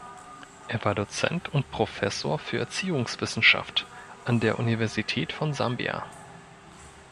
Er war Dozent und Professor für Erziehungswissenschaft an der Universität von Sambia.